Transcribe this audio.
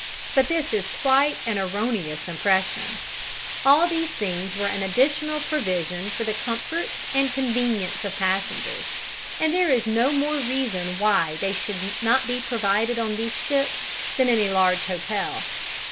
But this is quite an erroneous impression. All these things were an additional provision for the comfort and convenience of passengers, and there is no more reason why they should not be provided on these ships than in a large hotel.